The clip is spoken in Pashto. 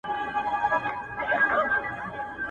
زه اوس قلم استعمالوموم!؟